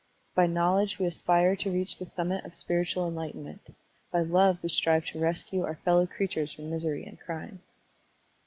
By knowledge we aspire to reach the summit of spiritual enlightenment; by love we strive to rescue our fellow creatures from misery and crime.